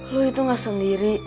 lo itu gak sendiri